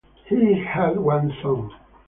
He had one son.